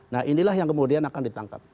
nah inilah yang kemudian akan ditangkap